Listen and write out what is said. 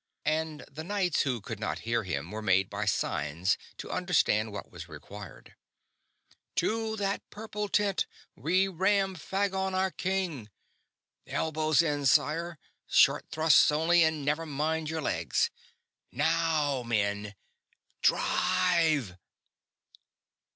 and the knights who could not hear him were made by signs to understand what was required. "To that purple tent we ram Phagon our King. Elbows in, sire. Short thrusts only, and never mind your legs. Now, men _DRIVE!